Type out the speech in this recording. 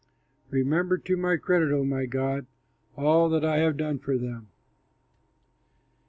Remember to my credit, O my God, all that I have done for them!